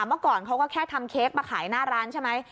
เมื่อก่อนเขาก็แค่ทำเค้กมาขายหน้าร้านใช่ไหม